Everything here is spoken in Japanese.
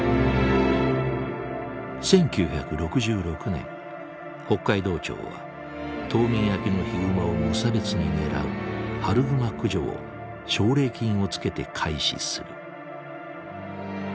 １９６６年北海道庁は冬眠明けのヒグマを無差別に狙う春グマ駆除を奨励金をつけて開始する。